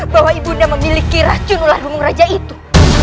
bahwa ibunda memiliki racun ular bumu raja itu